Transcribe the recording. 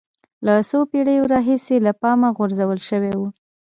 له څو پېړیو راهیسې له پامه غورځول شوی و